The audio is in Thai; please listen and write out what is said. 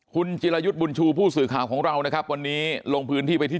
คุณจิรายุทธ์บุญชูผู้สื่อข่าวของเรานะครับวันนี้ลงพื้นที่ไปที่